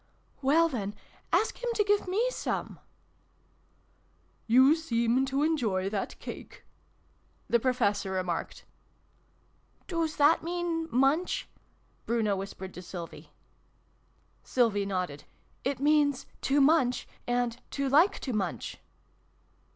" Well, then, ask him to give me some !"" You seem to enjoy that cake ?" the Pro fessor remarked. " Doos that mean ' munch '?" Bruno whis pered to Sylvie. Sylvie nodded. " It means 'to munch' and ' to like to munch.'